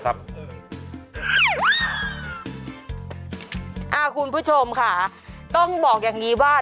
คุณผู้ชมค่ะต้องบอกอย่างนี้ว่า